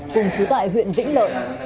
cùng chú tại huyện vĩnh lợi